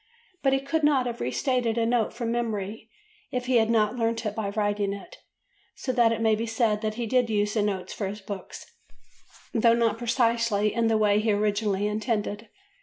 But he could not have re stated a note from memory if he had not learnt it by writing it, so that it may be said that he did use the notes for his books, though not precisely in the way he originally intended.